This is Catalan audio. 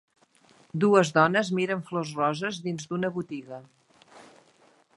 Dues dones miren flors roses dins d'una botiga.